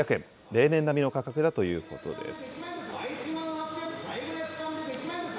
例年並みの価格だということです。